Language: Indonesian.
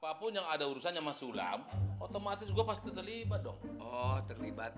papunya ada urusan sama sulam otomatis gua pasti terlibat dong terlibat